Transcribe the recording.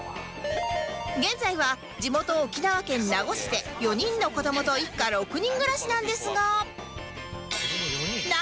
現在は地元沖縄県名護市で４人の子どもと一家６人暮らしなんですが